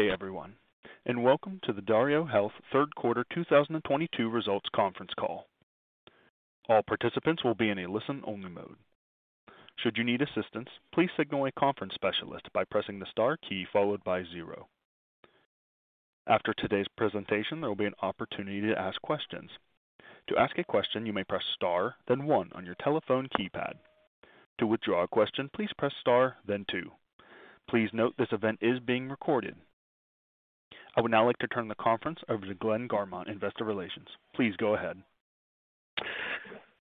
Hey everyone, welcome to the DarioHealth third quarter 2022 results conference call. All participants will be in a listen-only mode. Should you need assistance, please signal a conference specialist by pressing the star key followed by zero. After today's presentation, there will be an opportunity to ask questions. To ask a question, you may press star, then one on your telephone keypad. To withdraw a question, please press star, then two. Please note this event is being recorded. I would now like to turn the conference over to Glenn Garmont, Investor Relations. Please go ahead.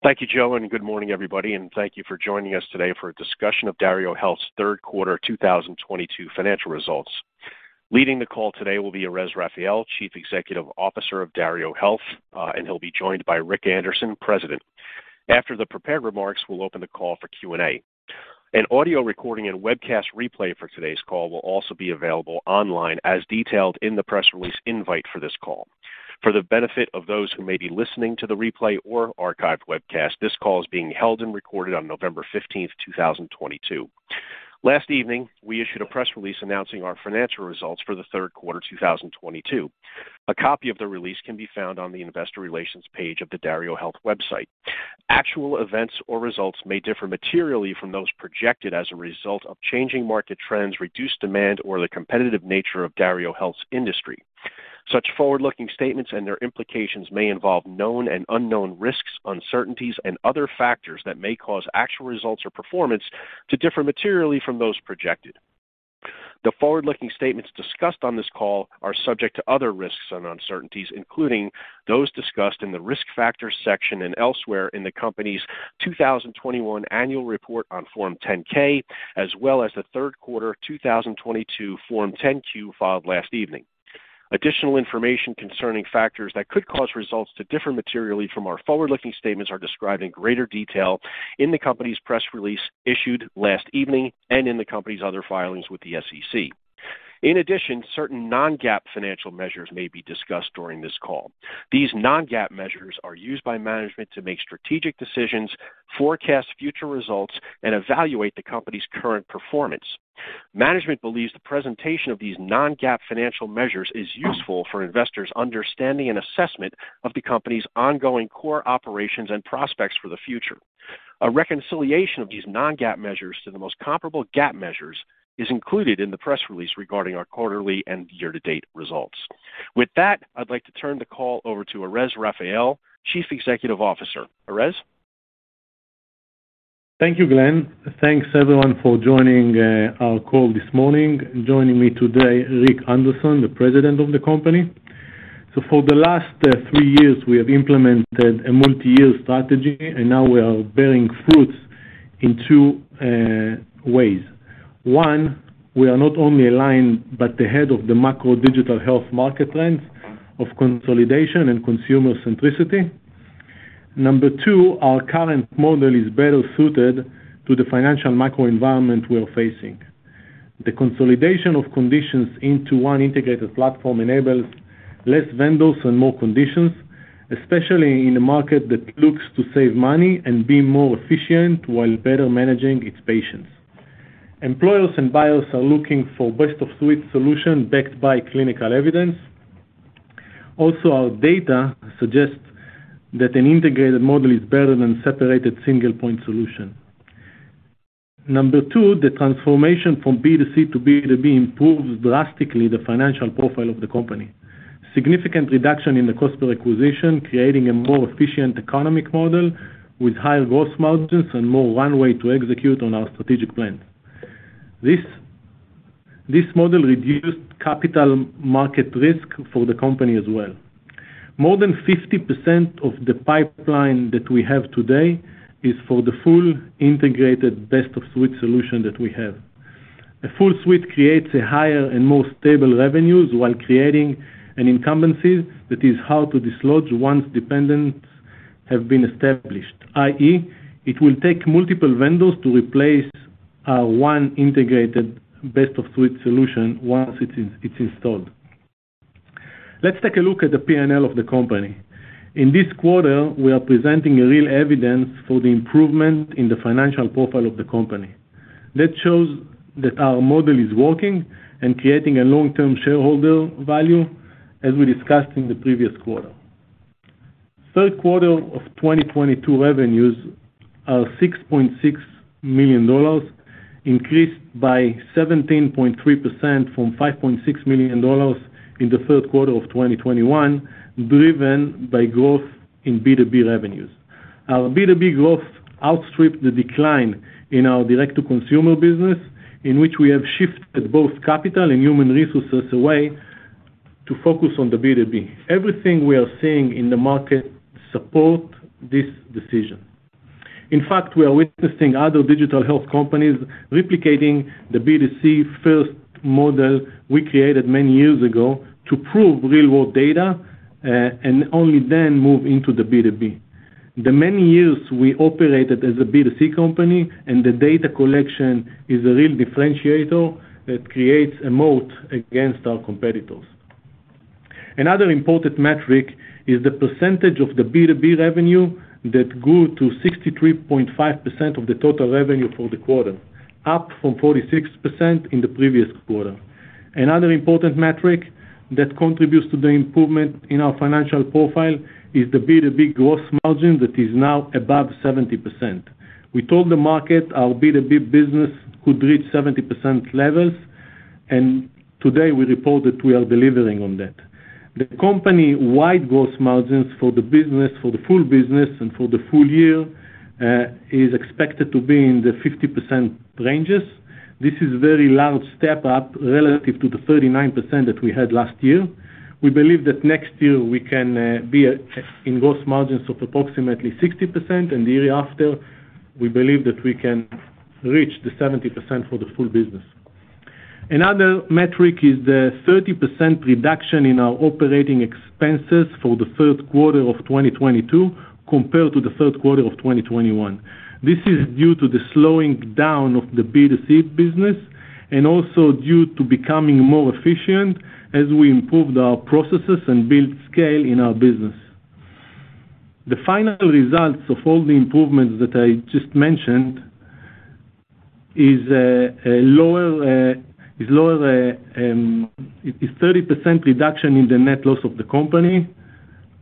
Thank you, Joe, and good morning, everybody, and thank you for joining us today for a discussion of DarioHealth's third quarter 2022 financial results. Leading the call today will be Erez Raphael, Chief Executive Officer of DarioHealth, and he'll be joined by Rick Anderson, President. After the prepared remarks, we'll open the call for Q&A. An audio recording and webcast replay for today's call will also be available online as detailed in the press release invite for this call. For the benefit of those who may be listening to the replay or archived webcast, this call is being held and recorded on November 15, 2022. Last evening, we issued a press release announcing our financial results for the third quarter 2022. A copy of the release can be found on the investor relations page of the DarioHealth website. Actual events or results may differ materially from those projected as a result of changing market trends, reduced demand, or the competitive nature of DarioHealth's industry. Such forward-looking statements and their implications may involve known and unknown risks, uncertainties, and other factors that may cause actual results or performance to differ materially from those projected. The forward-looking statements discussed on this call are subject to other risks and uncertainties, including those discussed in the Risk Factors section and elsewhere in the Company's 2021 annual report on Form 10-K, as well as the third quarter of 2022 Form 10-Q filed last evening. Additional information concerning factors that could cause results to differ materially from our forward-looking statements are described in greater detail in the company's press release issued last evening and in the company's other filings with the SEC. In addition, certain non-GAAP financial measures may be discussed during this call. These non-GAAP measures are used by management to make strategic decisions, forecast future results, and evaluate the company's current performance. Management believes the presentation of these non-GAAP financial measures is useful for investors' understanding and assessment of the company's ongoing core operations and prospects for the future. A reconciliation of these non-GAAP measures to the most comparable GAAP measures is included in the press release regarding our quarterly and year-to-date results. With that, I'd like to turn the call over to Erez Raphael, Chief Executive Officer. Erez? Thank you, Glenn. Thanks everyone for joining our call this morning. Joining me today, Rick Anderson, the President of the company. For the last three years, we have implemented a multi-year strategy, and now we are bearing fruits in two ways. One, we are not only aligned, but ahead of the macro digital health market trends of consolidation and consumer centricity. Number two, our current model is better suited to the financial macro environment we are facing. The consolidation of conditions into one integrated platform enables less vendors and more conditions, especially in a market that looks to save money and be more efficient while better managing its patients. Employers and buyers are looking for best of suite solution backed by clinical evidence. Also, our data suggests that an integrated model is better than separated single point solution. Number two, the transformation from B2C to B2B improves drastically the financial profile of the company. Significant reduction in the cost per acquisition, creating a more efficient economic model with higher gross margins and more runway to execute on our strategic plans. This model reduced capital market risk for the company as well. More than 50% of the pipeline that we have today is for the full integrated best of suite solution that we have. A full suite creates a higher and more stable revenues while creating an incumbency that is hard to dislodge once dependents have been established, i.e., it will take multiple vendors to replace our one integrated best of suite solution once it is installed. Let's take a look at the P&L of the company. In this quarter, we are presenting a real evidence for the improvement in the financial profile of the company. That shows that our model is working and creating a long-term shareholder value as we discussed in the previous quarter. Third quarter of 2022 revenues are $6.6 million, increased by 17.3% from $5.6 million in the third quarter of 2021, driven by growth in B2B revenues. Our B2B growth outstripped the decline in our direct-to-consumer business, in which we have shifted both capital and human resources away to focus on the B2B. Everything we are seeing in the market support this decision. In fact, we are witnessing other digital health companies replicating the B2C first model we created many years ago to prove real-world data, and only then move into the B2B. The many years we operated as a B2C company and the data collection is a real differentiator that creates a moat against our competitors. Another important metric is the percentage of the B2B revenue that grew to 63.5% of the total revenue for the quarter, up from 46% in the previous quarter. Another important metric that contributes to the improvement in our financial profile is the B2B gross margin that is now above 70%. We told the market our B2B business could reach 70% levels, and today we report that we are delivering on that. The company-wide gross margins for the business, for the full business and for the full year, is expected to be in the 50% ranges. This is very large step up relative to the 39% that we had last year. We believe that next year we can be at in gross margins of approximately 60%, and the year after, we believe that we can reach the 70% for the full business. Another metric is the 30% reduction in our operating expenses for the third quarter of 2022 compared to the third quarter of 2021. This is due to the slowing down of the B2C business and also due to becoming more efficient as we improved our processes and built scale in our business. The final results of all the improvements that I just mentioned is a 30% reduction in the net loss of the company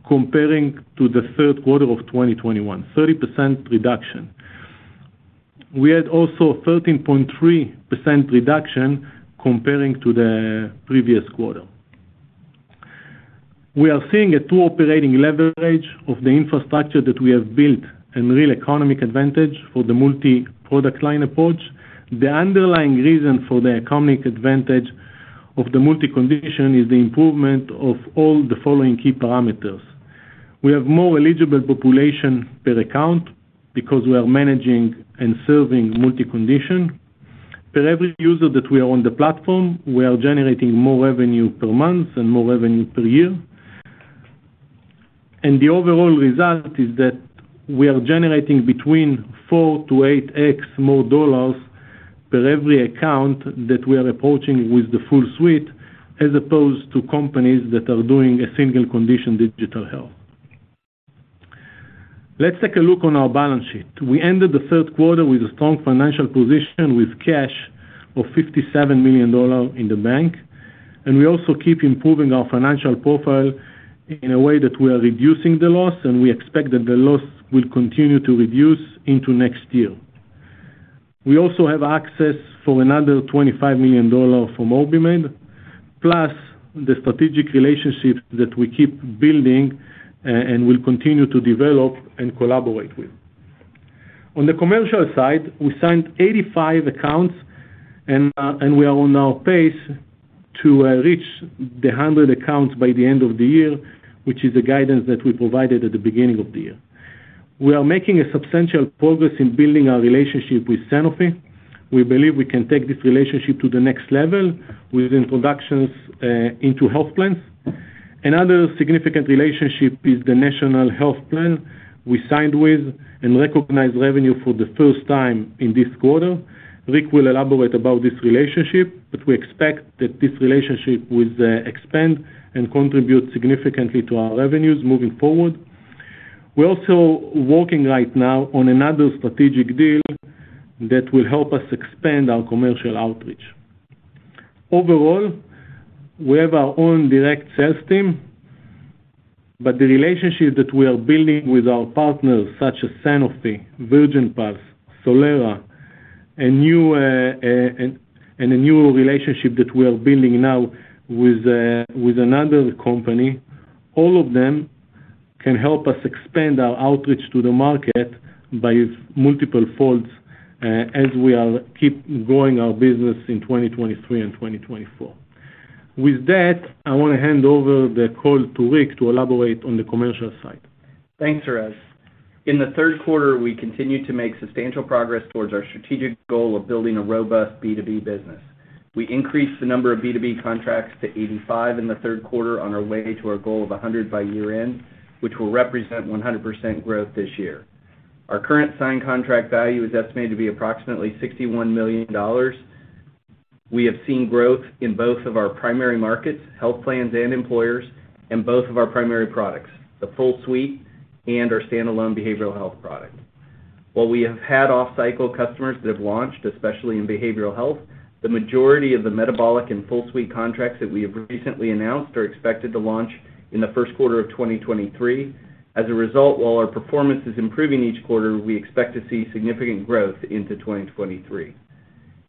compared to the third quarter of 2021. We had also a 13.3% reduction compared to the previous quarter. We are seeing 2x operating leverage of the infrastructure that we have built and real economic advantage for the multi-product line approach. The underlying reason for the economic advantage of the multi-condition is the improvement of all the following key parameters. We have more eligible population per account because we are managing and serving multi-condition. Per every user that we are on the platform, we are generating more revenue per month and more revenue per year. The overall result is that we are generating between 4x to 8x more dollars per every account that we are approaching with the full suite, as opposed to companies that are doing a single condition digital health. Let's take a look at our balance sheet. We ended the third quarter with a strong financial position with cash of $57 million in the bank, and we also keep improving our financial profile in a way that we are reducing the loss, and we expect that the loss will continue to reduce into next year. We also have access for another $25 million from OrbiMed, plus the strategic relationships that we keep building, and will continue to develop and collaborate with. On the commercial side, we signed 85 accounts and we are on our pace to reach the 100 accounts by the end of the year, which is the guidance that we provided at the beginning of the year. We are making a substantial progress in building our relationship with Sanofi. We believe we can take this relationship to the next level with introductions into health plans. Another significant relationship is the national health plan we signed with and recognized revenue for the first time in this quarter. Rick will elaborate about this relationship, but we expect that this relationship will expand and contribute significantly to our revenues moving forward. We're also working right now on another strategic deal that will help us expand our commercial outreach. Overall, we have our own direct sales team, but the relationship that we are building with our partners such as Sanofi, Virgin Pulse, Solera, and a new relationship that we are building now with another company, all of them can help us expand our outreach to the market by multiple folds as we keep growing our business in 2023 and 2024. With that, I want to hand over the call to Rick to elaborate on the commercial side. Thanks, Erez. In the third quarter, we continued to make substantial progress towards our strategic goal of building a robust B2B business. We increased the number of B2B contracts to 85 in the third quarter on our way to our goal of 100 by year-end, which will represent 100% growth this year. Our current signed contract value is estimated to be approximately $61 million. We have seen growth in both of our primary markets, health plans and employers, and both of our primary products, the full suite and our stand-alone behavioral health product. While we have had off-cycle customers that have launched, especially in behavioral health, the majority of the metabolic and full suite contracts that we have recently announced are expected to launch in the first quarter of 2023. As a result, while our performance is improving each quarter, we expect to see significant growth into 2023.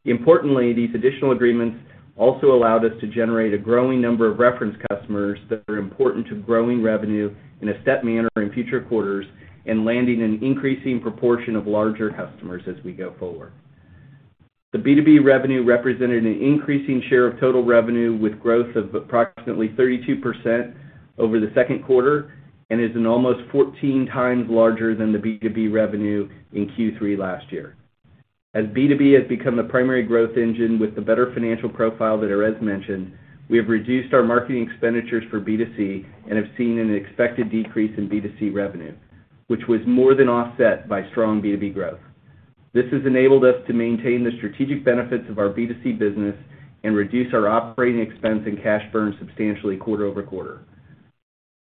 Importantly, these additional agreements also allowed us to generate a growing number of reference customers that are important to growing revenue in a step manner in future quarters and landing an increasing proportion of larger customers as we go forward. The B2B revenue represented an increasing share of total revenue with growth of approximately 32% over the second quarter and is almost 14x larger than the B2B revenue in Q3 last year. As B2B has become the primary growth engine with the better financial profile that Erez mentioned, we have reduced our marketing expenditures for B2C and have seen an expected decrease in B2C revenue, which was more than offset by strong B2B growth. This has enabled us to maintain the strategic benefits of our B2C business and reduce our operating expense and cash burn substantially quarter-over-quarter.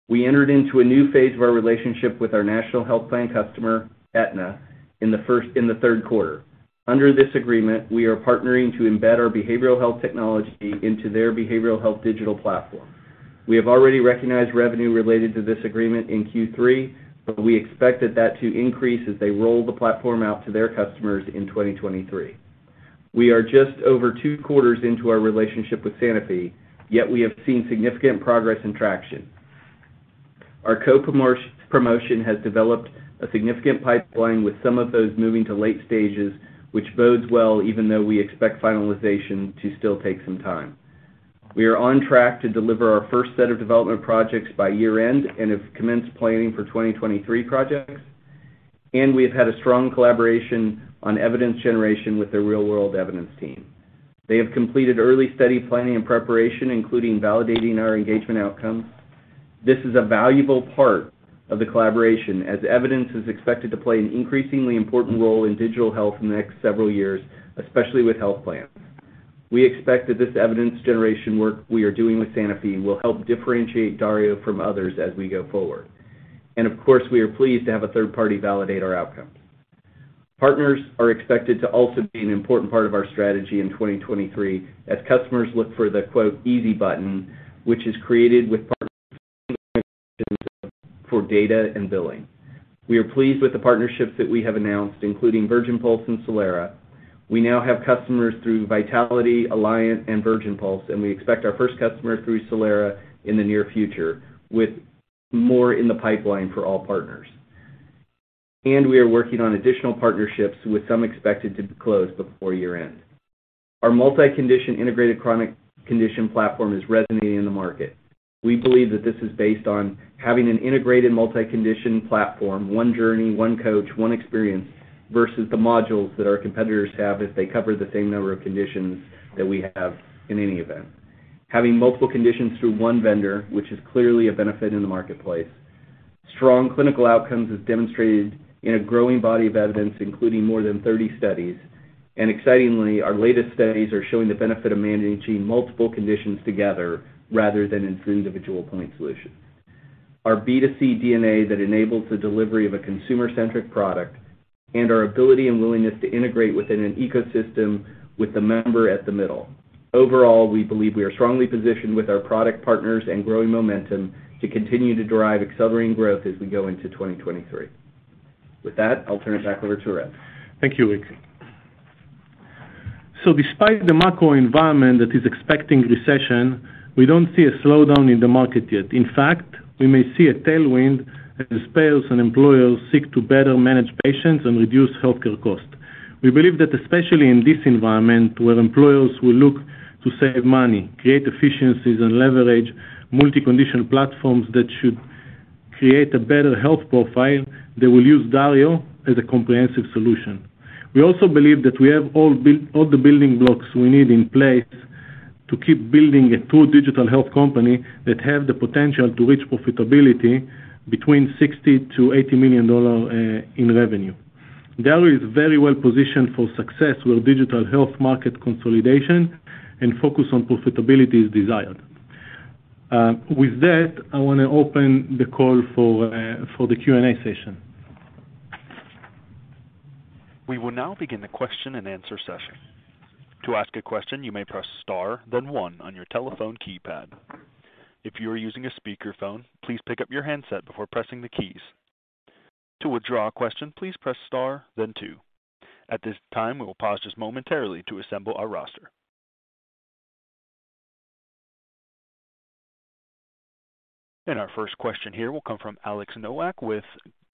We entered into a new phase of our relationship with our national health plan customer, Aetna, in the third quarter. Under this agreement, we are partnering to embed our behavioral health technology into their behavioral health digital platform. We have already recognized revenue related to this agreement in Q3, but we expect that to increase as they roll the platform out to their customers in 2023. We are just over two quarters into our relationship with Sanofi, yet we have seen significant progress and traction. Our co-promotion has developed a significant pipeline with some of those moving to late stages, which bodes well, even though we expect finalization to still take some time. We are on track to deliver our first set of development projects by year-end and have commenced planning for 2023 projects. We have had a strong collaboration on evidence generation with their real-world evidence team. They have completed early study planning and preparation, including validating our engagement outcomes. This is a valuable part of the collaboration as evidence is expected to play an increasingly important role in digital health in the next several years, especially with health plans. We expect that this evidence generation work we are doing with Sanofi will help differentiate Dario from others as we go forward. Of course, we are pleased to have a third party validate our outcomes. Partners are expected to also be an important part of our strategy in 2023 as customers look for the "easy button", which is created with partners for data and billing. We are pleased with the partnerships that we have announced, including Virgin Pulse and Solera. We now have customers through Vitality, Alliance, and Virgin Pulse, and we expect our first customer through Solera in the near future, with more in the pipeline for all partners. We are working on additional partnerships, with some expected to close before year-end. Our multi-condition integrated chronic condition platform is resonating in the market. We believe that this is based on having an integrated multi-condition platform, one journey, one coach, one experience, versus the modules that our competitors have if they cover the same number of conditions that we have in any event. Having multiple conditions through one vendor, which is clearly a benefit in the marketplace. Strong clinical outcomes is demonstrated in a growing body of evidence, including more than 30 studies. Excitingly, our latest studies are showing the benefit of managing multiple conditions together rather than through individual point solutions. Our B2C DNA that enables the delivery of a consumer-centric product and our ability and willingness to integrate within an ecosystem with the member at the middle. Overall, we believe we are strongly positioned with our product partners and growing momentum to continue to drive accelerating growth as we go into 2023. With that, I'll turn it back over to Erez. Thank you, Rick. Despite the macro environment that is expecting recession, we don't see a slowdown in the market yet. In fact, we may see a tailwind as payers and employers seek to better manage patients and reduce healthcare costs. We believe that especially in this environment, where employers will look to save money, create efficiencies, and leverage multi-condition platforms that should create a better health profile, they will use Dario as a comprehensive solution. We also believe that we have all the building blocks we need in place to keep building a true digital health company that have the potential to reach profitability between $60 million-$80 million dollar in revenue. Dario is very well positioned for success where digital health market consolidation and focus on profitability is desired. With that, I wanna open the call for the Q&A session. We will now begin the question and answer session. To ask a question, you may press star, then one on your telephone keypad. If you are using a speakerphone, please pick up your handset before pressing the keys. To withdraw a question, please press star then two. At this time, we will pause just momentarily to assemble our roster. Our first question here will come from Alex Nowak with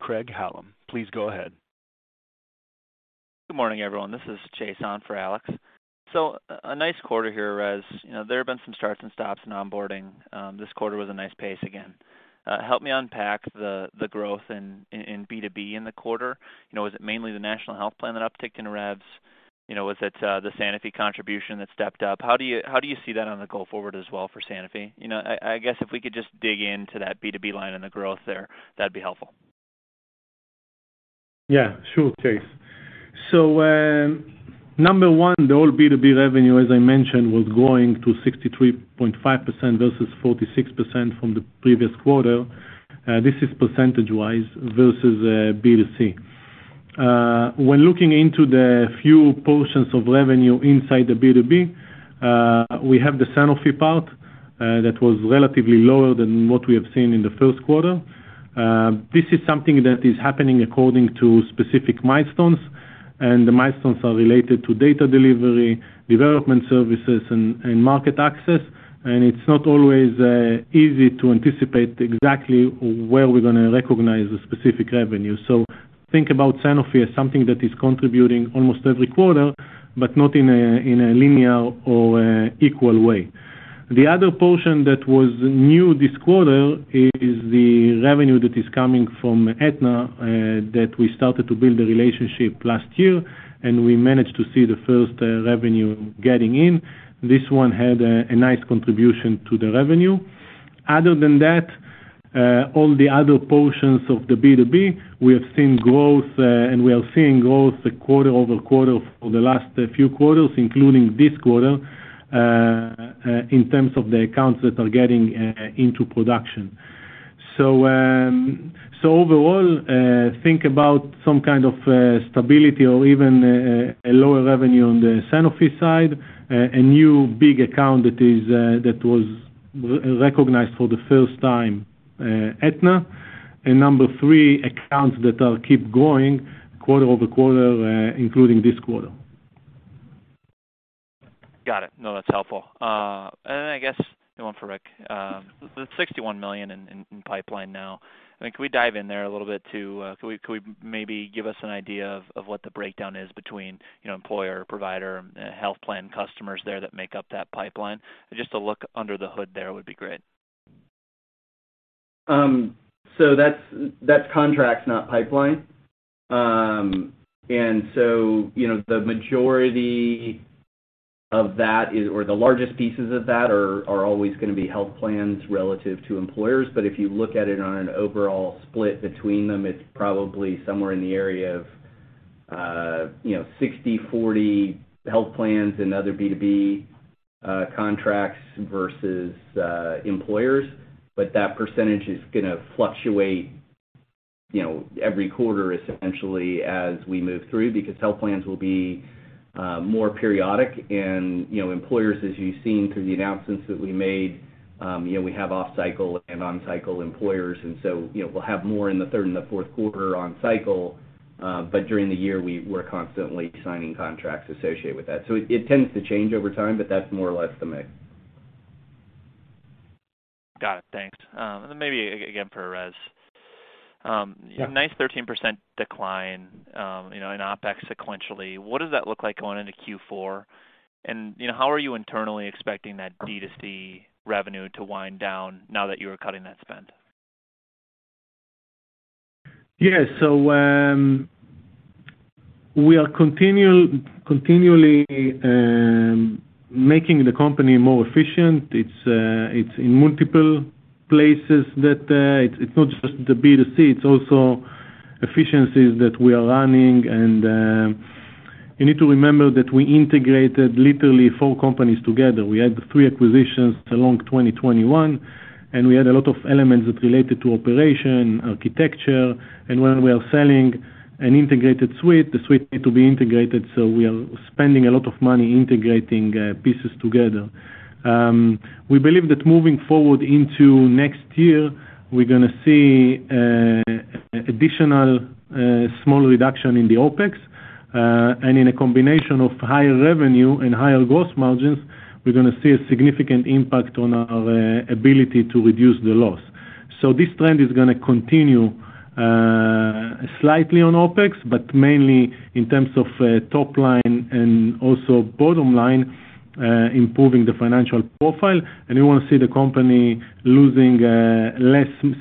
Craig-Hallum. Please go ahead. Good morning, everyone. This is Chase on for Alex. A nice quarter here as, you know, there have been some starts and stops in onboarding. This quarter was a nice pace again. Help me unpack the growth in B2B in the quarter. You know, was it mainly the national health plan that upticked in revs? You know, was it the Sanofi contribution that stepped up? How do you see that on the go forward as well for Sanofi? You know, I guess if we could just dig into that B2B line and the growth there, that'd be helpful. Yeah, sure, Chase. Number one, the whole B2B revenue, as I mentioned, was growing to 63.5% versus 46% from the previous quarter. This is percentage-wise versus B2C. When looking into the few portions of revenue inside the B2B, we have the Sanofi part that was relatively lower than what we have seen in the first quarter. This is something that is happening according to specific milestones, and the milestones are related to data delivery, development services, and market access. It's not always easy to anticipate exactly where we're gonna recognize the specific revenue. Think about Sanofi as something that is contributing almost every quarter, but not in a linear or equal way. The other portion that was new this quarter is the revenue that is coming from Aetna that we started to build a relationship last year, and we managed to see the first revenue getting in. This one had a nice contribution to the revenue. Other than that, all the other portions of the B2B, we have seen growth, and we are seeing growth quarter over quarter for the last few quarters, including this quarter, in terms of the accounts that are getting into production. Overall, think about some kind of stability or even a lower revenue on the Sanofi side, a new big account that was recognized for the first time, Aetna. Number three, accounts that keep growing quarter over quarter, including this quarter. Got it. No, that's helpful. I guess one for Rick. The $61 million in pipeline now, I think we dive in there a little bit. Could we maybe give us an idea of what the breakdown is between, you know, employer, provider, health plan customers there that make up that pipeline? Just to look under the hood there would be great. That's contracts, not pipeline. You know, the majority of that is or the largest pieces of that are always gonna be health plans relative to employers. If you look at it on an overall split between them, it's probably somewhere in the area of, you know, 60/40 health plans and other B2B contracts versus employers. That percentage is gonna fluctuate, you know, every quarter, essentially, as we move through, because health plans will be more periodic. You know, employers, as you've seen through the announcements that we made, you know, we have off-cycle and on-cycle employers, you know, we'll have more in the third and the fourth quarter on cycle. During the year, we're constantly signing contracts associated with that. It tends to change over time, but that's more or less the mix. Got it. Thanks. Maybe again for Erez. Nice 13% decline, you know, in OpEx sequentially. What does that look like going into Q4? You know, how are you internally expecting that D2C revenue to wind down now that you are cutting that spend? Yes, we are continually making the company more efficient. It's in multiple places that it's not just the B2C, it's also efficiencies that we are running. You need to remember that we integrated literally four companies together. We had three acquisitions in 2021, and we had a lot of elements that related to operational architecture. When we are selling an integrated suite, the suite need to be integrated, so we are spending a lot of money integrating pieces together. We believe that moving forward into next year, we're gonna see additional small reduction in the OpEx. In a combination of higher revenue and higher gross margins, we're gonna see a significant impact on our ability to reduce the loss. This trend is gonna continue, slightly on OpEx, but mainly in terms of, top line and also bottom line, improving the financial profile. You wanna see the company losing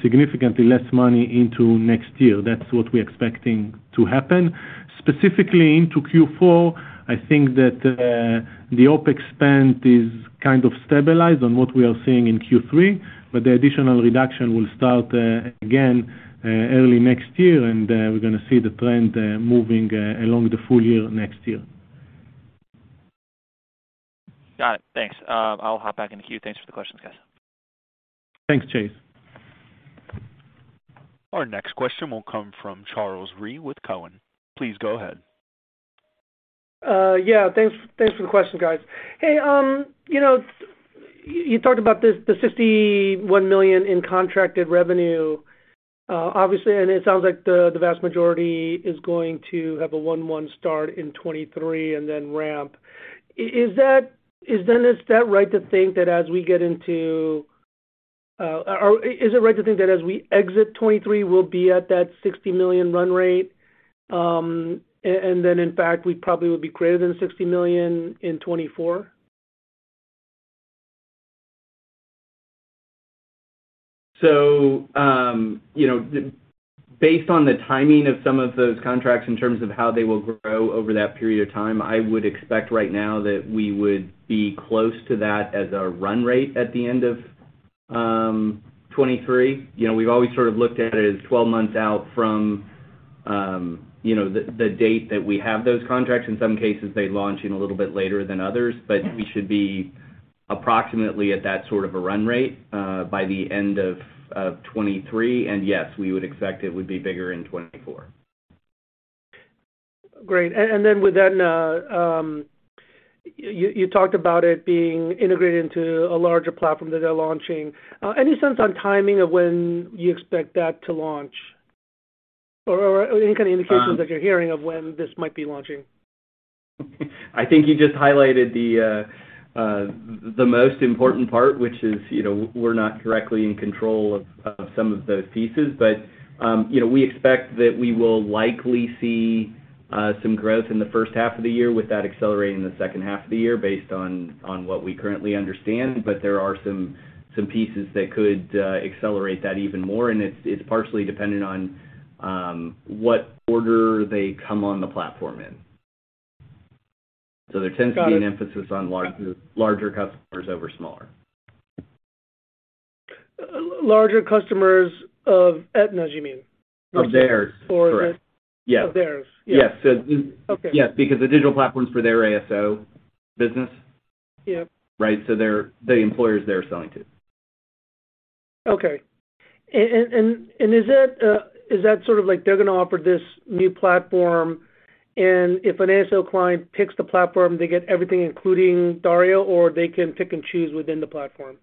significantly less money into next year. That's what we're expecting to happen. Specifically into Q4, I think that, the OpEx spend is kind of stabilized on what we are seeing in Q3, but the additional reduction will start, again, early next year, and, we're gonna see the trend, moving, along the full year next year. Got it. Thanks. I'll hop back in the queue. Thanks for the questions, guys. Thanks, Chase. Our next question will come from Charles Rhyee with Cowen. Please go ahead. Yeah. Thanks for the question, guys. Hey, you know, you talked about this, the $61 million in contracted revenue, obviously, and it sounds like the vast majority is going to have a Q1 start in 2023 and then ramp. Is that right to think that as we exit 2023, we'll be at that $60 million run rate, and then in fact, we probably will be greater than $60 million in 2024? Based on the timing of some of those contracts in terms of how they will grow over that period of time, I would expect right now that we would be close to that as a run rate at the end of 2023. You know, we've always sort of looked at it as 12 months out from you know, the date that we have those contracts. In some cases, they launch in a little bit later than others, but we should be approximately at that sort of a run rate by the end of 2023. Yes, we would expect it would be bigger in 2024. Great. Within, you talked about it being integrated into a larger platform that they're launching. Any sense on timing of when you expect that to launch? Any kind of indications that you're hearing of when this might be launching? I think you just highlighted the most important part, which is, you know, we're not directly in control of some of those pieces. You know, we expect that we will likely see some growth in the first half of the year, with that accelerating the second half of the year based on what we currently understand. There are some pieces that could accelerate that even more, and it's partially dependent on what order they come on the platform in. There tends to be an emphasis on larger customers over smaller. Larger customers of Aetna's, you mean? Of theirs. Or – Correct. Yeah. Of theirs. Yes. Okay. Yes, because the digital platform's for their ASO business. Yeah. Right? They're the employers they're selling to. Okay. Is that sort of like they're gonna offer this new platform, and if an ASO client picks the platform, they get everything including Dario, or they can pick and choose within the platform?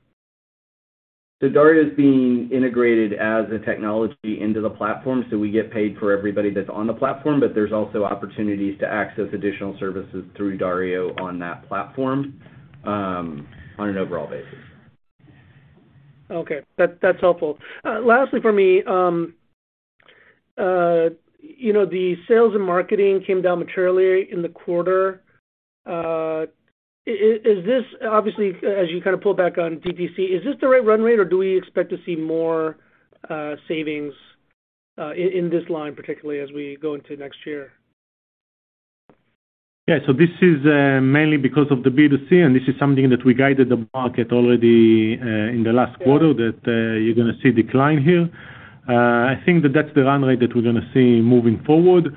Dario is being integrated as a technology into the platform. We get paid for everybody that's on the platform, but there's also opportunities to access additional services through Dario on that platform, on an overall basis. Okay. That's helpful. Lastly for me, you know, the sales and marketing came down materially in the quarter. Is this obviously as you kind of pull back on DTC, is this the right run rate, or do we expect to see more savings in this line, particularly as we go into next year? Yeah. This is mainly because of the B2C, and this is something that we guided the market already in the last quarter, that you're gonna see decline here. I think that that's the run rate that we're gonna see moving forward.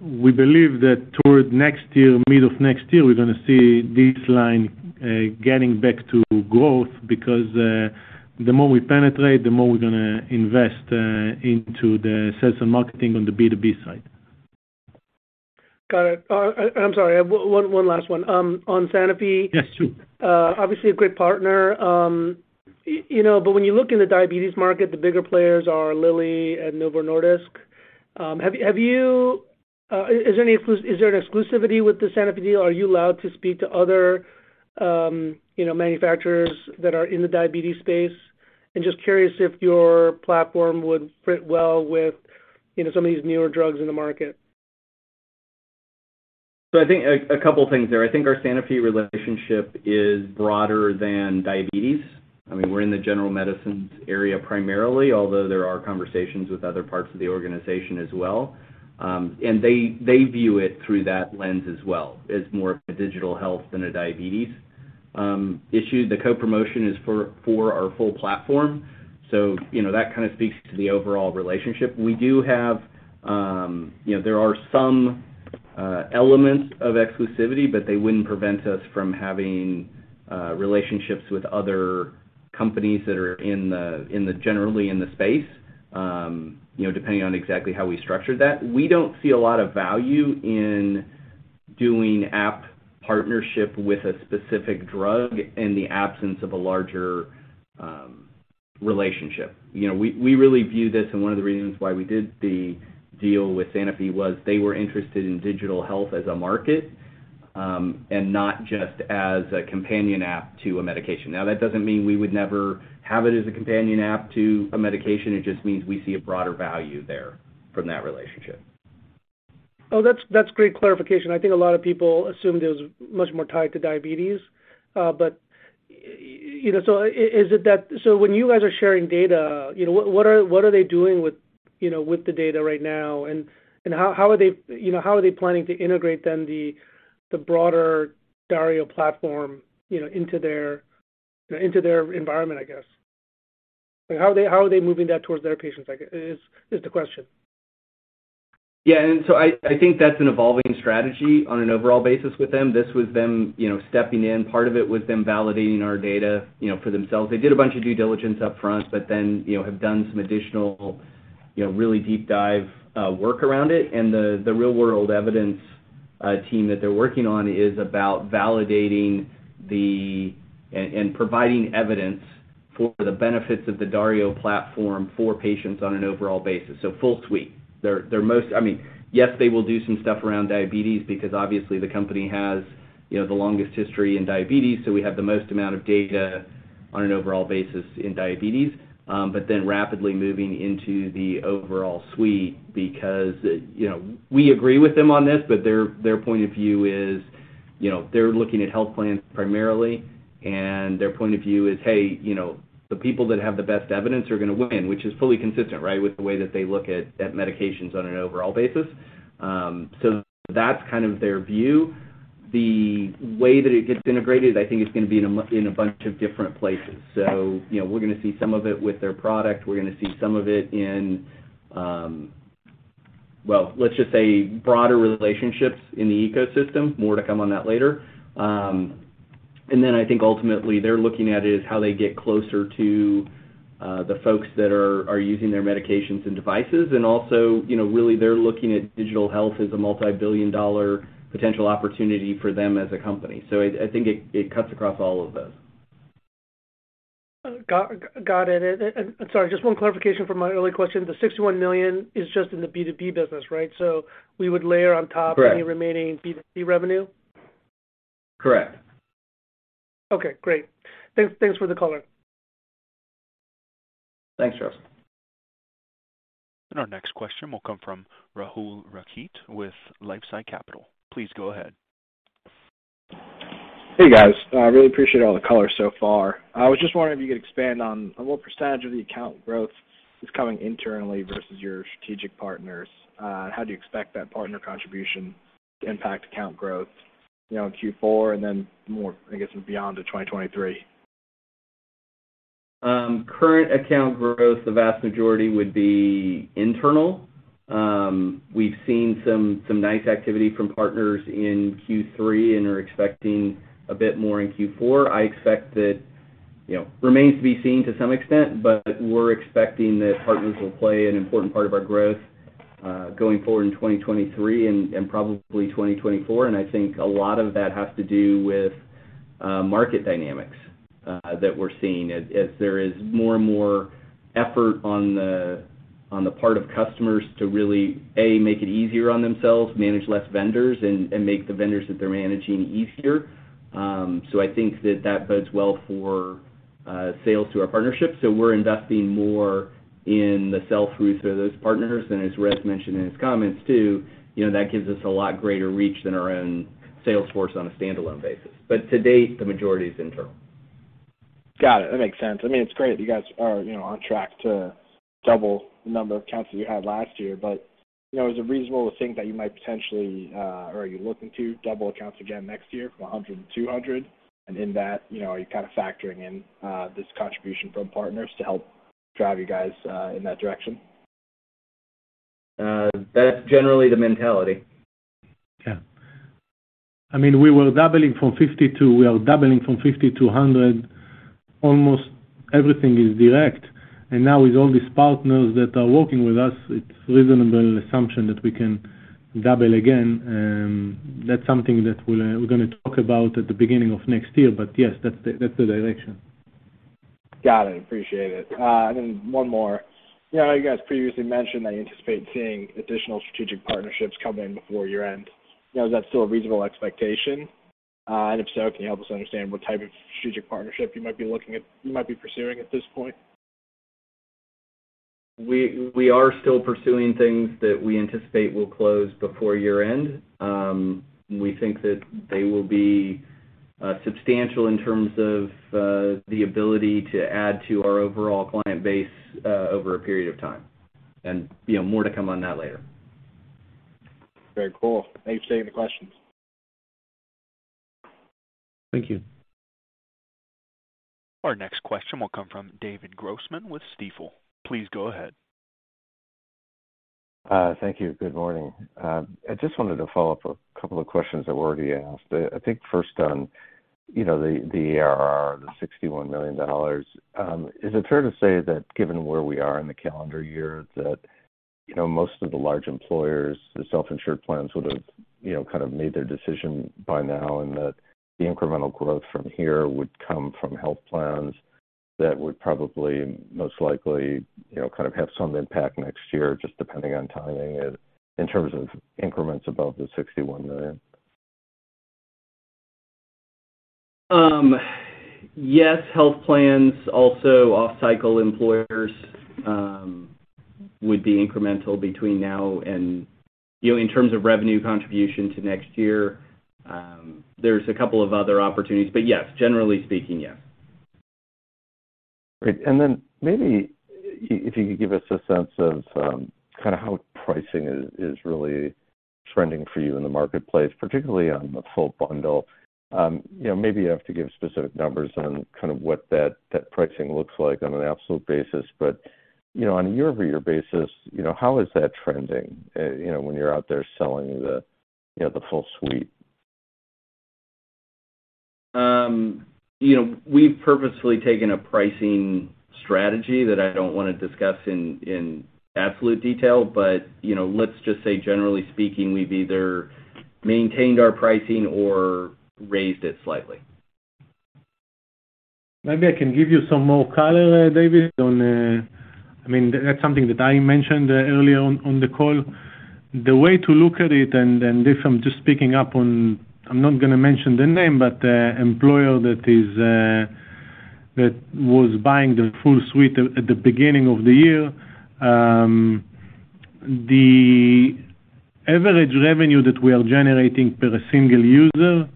We believe that toward next year, mid of next year, we're gonna see this line getting back to growth because the more we penetrate, the more we're gonna invest into the sales and marketing on the B2B side. Got it. I'm sorry, one last one. On Sanofi. Yes, sure. Obviously a great partner. You know, but when you look in the diabetes market, the bigger players are Lilly and Novo Nordisk. Is there an exclusivity with the Sanofi deal? Are you allowed to speak to other, you know, manufacturers that are in the diabetes space? Just curious if your platform would fit well with, you know, some of these newer drugs in the market. I think a couple things there. I think our Sanofi relationship is broader than diabetes. I mean, we're in the general medicines area primarily, although there are conversations with other parts of the organization as well. They view it through that lens as well, as more of a digital health than a diabetes issue. The co-promotion is for our full platform, so you know that kind of speaks to the overall relationship. We do have you know there are some elements of exclusivity, but they wouldn't prevent us from having relationships with other companies that are generally in the space you know depending on exactly how we structured that. We don't see a lot of value in doing app partnership with a specific drug in the absence of a larger relationship. You know, we really view this, and one of the reasons why we did the deal with Sanofi was they were interested in digital health as a market, and not just as a companion app to a medication. Now, that doesn't mean we would never have it as a companion app to a medication. It just means we see a broader value there from that relationship. Oh, that's great clarification. I think a lot of people assume it was much more tied to diabetes. You know, when you guys are sharing data, you know, what are they doing with, you know, with the data right now? How are they, you know, how are they planning to integrate then the broader Dario platform, you know, into their environment, I guess? How are they moving that towards their patients is the question. Yeah. I think that's an evolving strategy on an overall basis with them. This was them, you know, stepping in. Part of it was them validating our data, you know, for themselves. They did a bunch of due diligence upfront, but then, you know, have done some additional, you know, really deep dive work around it. The real world evidence team that they're working on is about validating and providing evidence for the benefits of the Dario platform for patients on an overall basis. So full suite. Their most—I mean, yes, they will do some stuff around diabetes because obviously the company has, you know, the longest history in diabetes, so we have the most amount of data on an overall basis in diabetes. rapidly moving into the overall suite because, you know, we agree with them on this, but their point of view is, you know, they're looking at health plans primarily, and their point of view is, "Hey, you know, the people that have the best evidence are gonna win," which is fully consistent, right, with the way that they look at medications on an overall basis. That's kind of their view. The way that it gets integrated, I think it's gonna be in a bunch of different places. You know, we're gonna see some of it with their product. We're gonna see some of it in. Well, let's just say broader relationships in the ecosystem. More to come on that later. I think ultimately they're looking at is how they get closer to the folks that are using their medications and devices. Also, you know, really they're looking at digital health as a multi-billion dollar potential opportunity for them as a company. I think it cuts across all of those. Got it. Sorry, just one clarification from my earlier question. The $61 million is just in the B2B business, right? We would layer on top- Correct. Any remaining B2C revenue? Correct. Okay, great. Thanks, thanks for the color. Thanks, Charles. Our next question will come from Rahul Rakhit with LifeSci Capital. Please go ahead. Hey guys, I really appreciate all the color so far. I was just wondering if you could expand on what percentage of the account growth is coming internally versus your strategic partners. How do you expect that partner contribution to impact account growth, you know, in Q4 and then more, I guess, beyond to 2023. Current account growth, the vast majority would be internal. We've seen some nice activity from partners in Q3, and are expecting a bit more in Q4. I expect that, you know, remains to be seen to some extent, but we're expecting that partners will play an important part of our growth, going forward in 2023 and probably 2024. I think a lot of that has to do with market dynamics that we're seeing. As there is more and more effort on the part of customers to really make it easier on themselves, manage less vendors and make the vendors that they're managing easier. I think that bodes well for sales through our partnerships. We're investing more in the sell-throughs for those partners. As Erez mentioned in his comments too, you know, that gives us a lot greater reach than our own sales force on a standalone basis. To date, the majority is internal. Got it. That makes sense. I mean, it's great you guys are, you know, on track to double the number of accounts that you had last year. You know, is it reasonable to think that you might potentially, or are you looking to double accounts again next year from 100-200? In that, you know, are you kind of factoring in, this contribution from partners to help drive you guys, in that direction? That's generally the mentality. Yeah. I mean, we are doubling from 50-100. Almost everything is direct. Now with all these partners that are working with us, it's reasonable assumption that we can double again. That's something that we're gonna talk about at the beginning of next year. Yes, that's the direction. Got it. Appreciate it. One more. You know, you guys previously mentioned that you anticipate seeing additional strategic partnerships come in before year-end. Now, is that still a reasonable expectation? If so, can you help us understand what type of strategic partnership you might be pursuing at this point? We are still pursuing things that we anticipate will close before year-end. We think that they will be substantial in terms of the ability to add to our overall client base over a period of time. You know, more to come on that later. Very cool. Thanks for taking the questions. Thank you. Our next question will come from David Grossman with Stifel. Please go ahead. Thank you. Good morning. I just wanted to follow up a couple of questions that were already asked. I think first on, you know, the ARR, the $61 million. Is it fair to say that given where we are in the calendar year, that, you know, most of the large employers, the self-insured plans would have, you know, kind of made their decision by now, and that the incremental growth from here would come from health plans that would probably, most likely, you know, kind of have some impact next year just depending on timing in terms of increments above the $61 million? Yes, health plans, also off-cycle employers, would be incremental between now and you know, in terms of revenue contribution to next year, there's a couple of other opportunities. Yes, generally speaking, yes. Great. Then maybe if you could give us a sense of, kind of how pricing is really trending for you in the marketplace, particularly on the full bundle. You know, maybe you have to give specific numbers on kind of what that pricing looks like on an absolute basis. You know, on a year-over-year basis, you know, how is that trending, you know, when you're out there selling the, you know, the full suite? You know, we've purposefully taken a pricing strategy that I don't wanna discuss in absolute detail, but let's just say generally speaking, we've either maintained our pricing or raised it slightly. Maybe I can give you some more color, David, on, I mean, that's something that I mentioned earlier on the call. The way to look at it, if I'm just picking up on, I'm not gonna mention the name, but the employer that was buying the full suite at the beginning of the year, the average revenue that we are generating per single user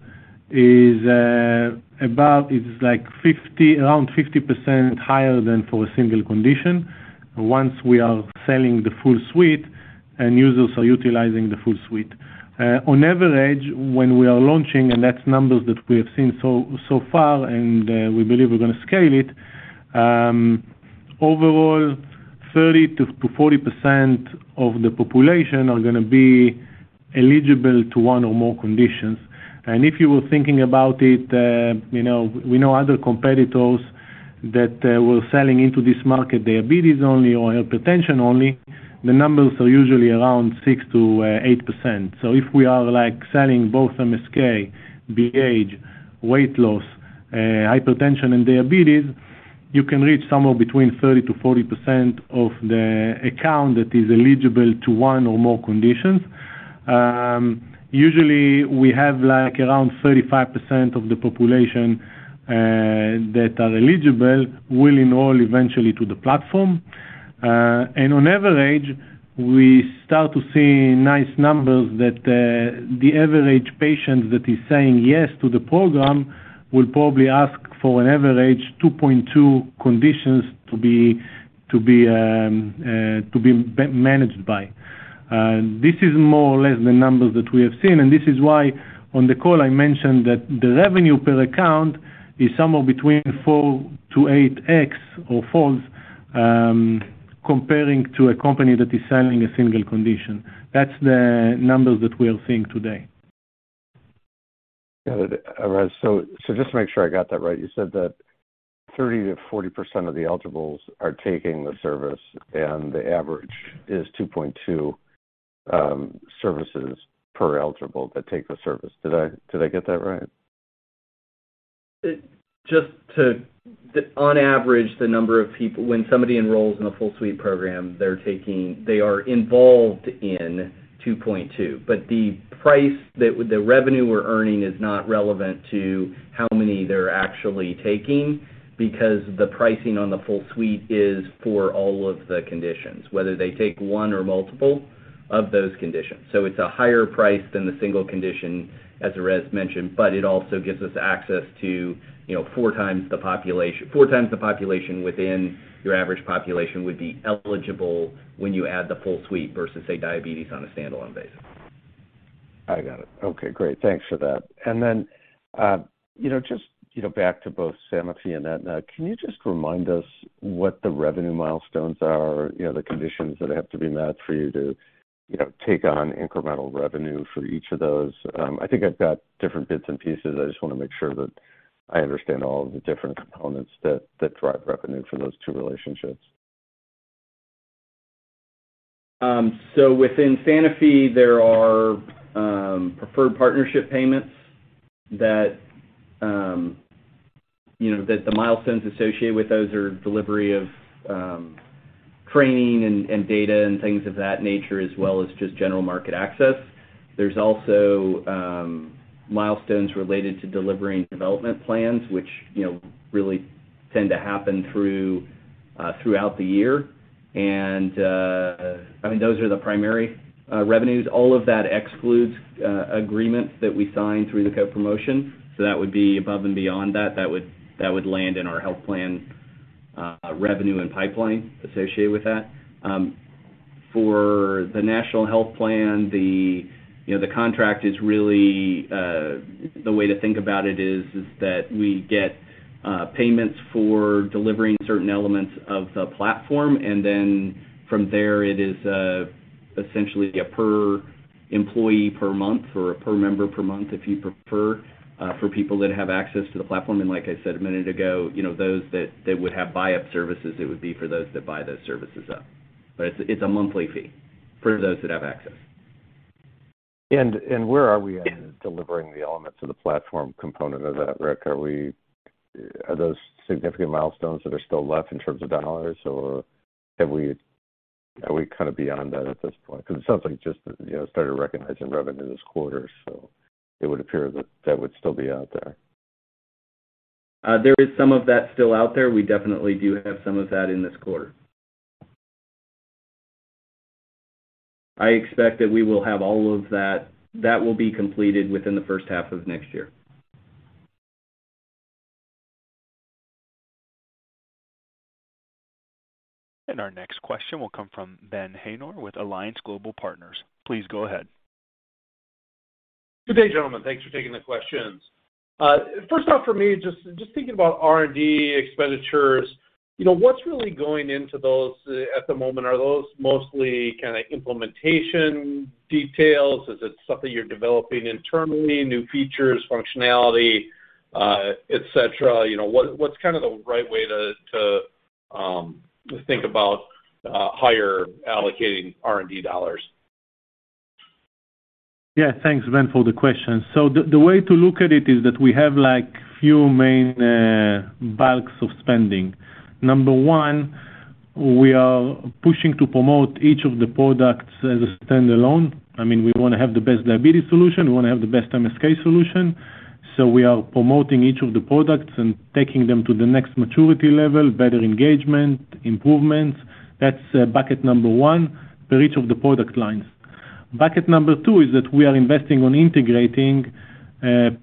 is around 50% higher than for a single condition once we are selling the full suite and users are utilizing the full suite. On average, when we are launching, and that's numbers that we have seen so far, we believe we're gonna scale it, overall, 30%-40% of the population are gonna be eligible to one or more conditions. If you were thinking about it, you know, we know other competitors that were selling into this market, diabetes only or hypertension only, the numbers are usually around 6%-8%. If we are like selling both MSK, BH, weight loss, hypertension and diabetes, you can reach somewhere between 30%-40% of the account that is eligible to one or more conditions. Usually we have like around 35% of the population that are eligible, will enroll eventually to the platform. On average, we start to see nice numbers that the average patient that is saying yes to the program will probably ask for an average 2.2 conditions to be managed by. This is more or less the numbers that we have seen, and this is why on the call I mentioned that the revenue per account is somewhere between 4x to 8x or folds, comparing to a company that is selling a single condition. That's the numbers that we are seeing today. Got it, Erez. Just to make sure I got that right, you said that 30%-40% of the eligibles are taking the service and the average is 2.2 services per eligible that take the service. Did I get that right? When somebody enrolls in a full suite program, they are involved in 2.2. But the price that the revenue we're earning is not relevant to how many they're actually taking because the pricing on the full suite is for all of the conditions, whether they take one or multiple of those conditions. It's a higher price than the single condition, as Erez mentioned, but it also gives us access to, you know, four times the population within your average population would be eligible when you add the full suite versus, say, diabetes on a standalone basis. I got it. Okay, great. Thanks for that. Then, you know, just, you know, back to both Sanofi and Aetna, can you just remind us what the revenue milestones are? You know, the conditions that have to be met for you to, you know, take on incremental revenue for each of those. I think I've got different bits and pieces. I just wanna make sure that I understand all of the different components that drive revenue for those two relationships. Within Sanofi, there are preferred partnership payments that, you know, that the milestones associated with those are delivery of training and data and things of that nature, as well as just general market access. There's also milestones related to delivering development plans, which, you know, really tend to happen throughout the year. I mean, those are the primary revenues. All of that excludes agreements that we sign through the co-promotion. That would be above and beyond that. That would land in our health plan revenue and pipeline associated with that. For the national health plan, you know, the contract is really the way to think about it is that we get payments for delivering certain elements of the platform, and then from there it is essentially a per employee per month or a per member per month, if you prefer, for people that have access to the platform. Like I said a minute ago, you know, those that would have buy-up services, it would be for those that buy those services up. It's a monthly fee for those that have access. where are we at in delivering the elements of the platform component of that, Rick? Are those significant milestones that are still left in terms of dollars or have we, are we kind of beyond that at this point? Because it sounds like just that, you know, started recognizing revenue this quarter, so it would appear that that would still be out there. There is some of that still out there. We definitely do have some of that in this quarter. I expect that we will have all of that will be completed within the first half of next year. Our next question will come from Ben Haynor with Alliance Global Partners. Please go ahead. Good day, gentlemen. Thanks for taking the questions. First off for me, just thinking about R&D expenditures, you know, what's really going into those at the moment? Are those mostly kinda implementation details? Is it something you're developing internally, new features, functionality, et cetera? You know, what's kind of the right way to think about how you're allocating R&D dollars? Yeah. Thanks, Ben, for the question. The way to look at it is that we have like few main buckets of spending. Number one, we are pushing to promote each of the products as a standalone. I mean, we wanna have the best diabetes solution. We wanna have the best MSK solution. We are promoting each of the products and taking them to the next maturity level, better engagement, improvements. That's bucket number one for each of the product lines. Bucket number two is that we are investing in integrating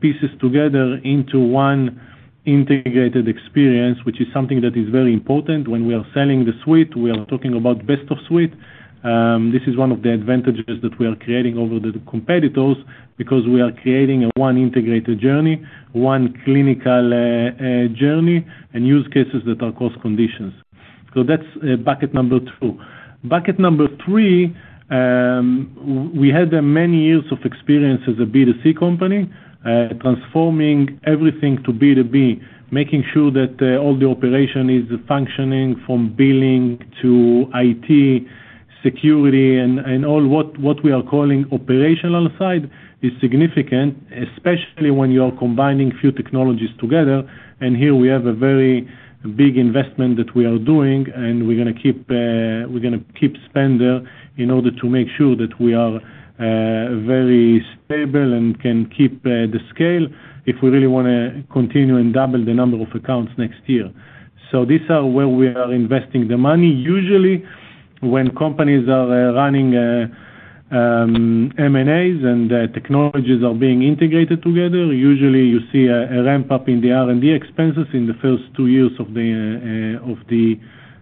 pieces together into one integrated experience, which is something that is very important when we are selling the suite. We are talking about best of suite. This is one of the advantages that we are creating over the competitors, because we are creating a one integrated journey, one clinical journey, and use cases that are cross conditions. That's bucket number two. Bucket number three, we had many years of experience as a B2C company, transforming everything to B2B, making sure that all the operation is functioning from billing to IT, security, and all what we are calling operational side is significant, especially when you're combining few technologies together. Here we have a very big investment that we are doing, and we're gonna keep spend there in order to make sure that we are very stable and can keep the scale if we really wanna continue and double the number of accounts next year. These are where we are investing the money. Usually, when companies are running M&A's and the technologies are being integrated together. Usually, you see a ramp-up in the R&D expenses in the first two years of the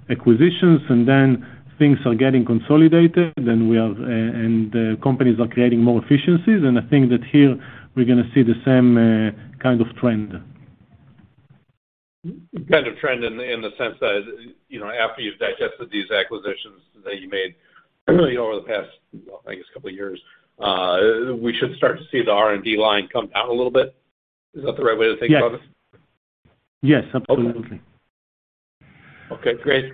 acquisitions, and then things are getting consolidated, and the companies are creating more efficiencies. I think that here we're gonna see the same kind of trend. Kind of trend in the sense that, you know, after you've digested these acquisitions that you made you know, over the past, well, I guess couple years, we should start to see the R&D line come down a little bit. Is that the right way to think about this? Yes. Yes, absolutely. Okay, great.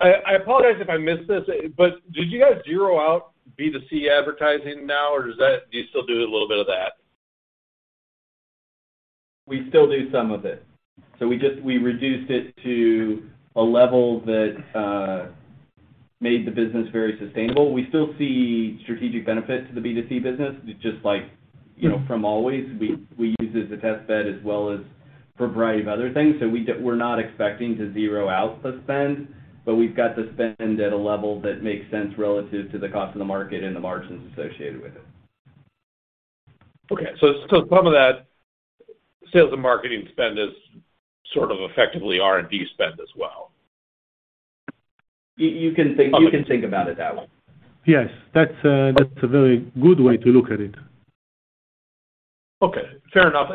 I apologize if I missed this, but did you guys zero out B2C advertising now, or do you still do a little bit of that? We still do some of it. We just reduced it to a level that made the business very sustainable. We still see strategic benefit to the B2C business, just like, you know, from always. We use it as a test bed as well as for a variety of other things. We're not expecting to zero out the spend, but we've got the spend at a level that makes sense relative to the cost of the market and the margins associated with it. Okay. Some of that sales and marketing spend is sort of effectively R&D spend as well. You can think about it that way. Yes. That's a very good way to look at it. Okay, fair enough.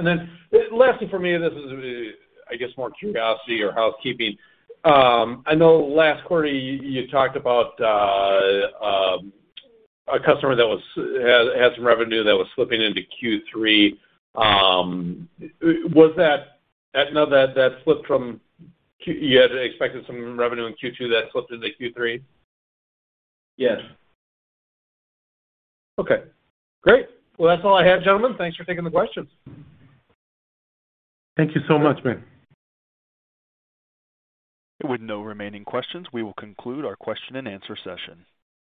Lastly for me, this is really, I guess, more curiosity or housekeeping. I know last quarter you talked about a customer that had some revenue that was slipping into Q3. Was that Aetna that slipped from Q2? You had expected some revenue in Q2 that slipped into Q3? Yes. Okay, great. Well, that's all I have, gentlemen. Thanks for taking the questions. Thank you so much, Ben. With no remaining questions, we will conclude our question and answer session.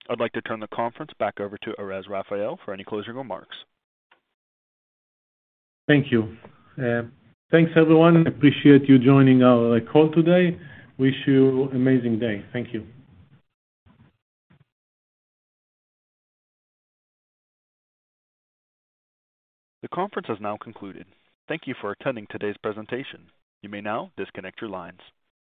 I'd like to turn the conference back over to Erez Raphael for any closing remarks. Thank you. Thanks, everyone. Appreciate you joining our call today. Wish you amazing day. Thank you. The conference has now concluded. Thank you for attending today's presentation. You may now disconnect your lines.